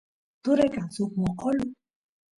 turay kan suk mosqolu